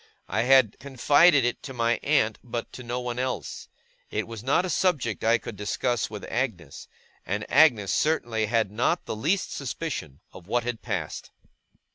I had confided it to my aunt, but to no one else. It was not a subject I could discuss with Agnes, and Agnes certainly had not the least suspicion of what had passed.